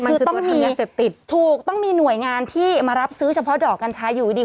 คือต้องมีหน่วยงานที่มารับซื้อเฉพาะดอกกัญชาอยู่ดี